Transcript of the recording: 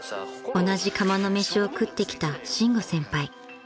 ［同じ釜の飯を食ってきた伸吾先輩］